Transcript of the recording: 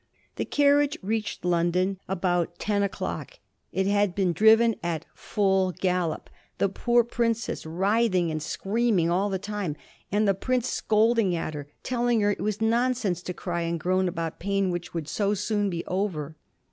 The carriage reached London about ten o'clock. It had been driven at full gallop, the poor princess writhing and screaming all the time, and the prince scolding at her and telling her it was nonsense to cry and groan about pain which would so soon be over.